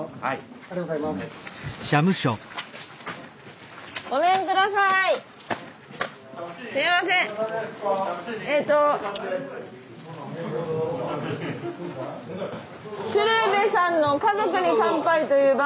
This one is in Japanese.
はい。